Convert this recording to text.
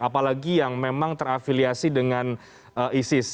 apalagi yang memang terafiliasi dengan isis